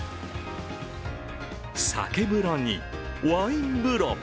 酒風呂にワイン風呂。